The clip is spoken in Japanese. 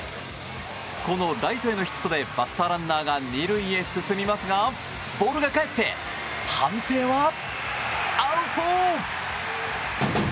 このライトへのヒットでバッターランナーが２塁へ進みますがボールが返って判定はアウト！